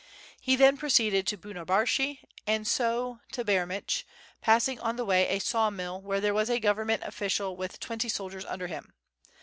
He then proceeded to Bunarbashi and so to Bairemitch, passing on the way a saw mill where there was a Government official with twenty soldiers under him.